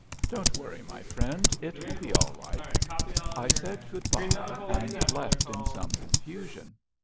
Don't worry, my friend. It will be all right." I said good bye and left in some confusion.